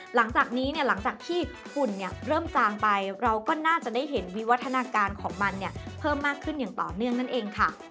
หลังจากนี้เนี่ยหลังจากที่ฝุ่นเนี่ยเริ่มจางไปเราก็น่าจะได้เห็นวิวัฒนาการของมันเนี่ยเพิ่มมากขึ้นอย่างต่อเนื่องนั่นเองค่ะ